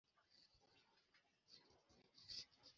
buri wese kuri iyi si